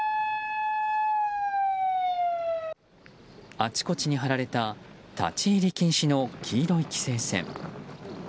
あちこちに張られた立ち入り禁止の黄色い規制線。